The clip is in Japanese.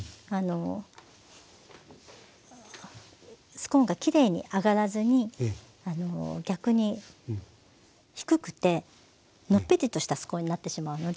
スコーンがきれいに上がらずに逆に低くてのっぺりとしたスコーンになってしまうので。